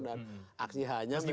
dan aksi hanya memang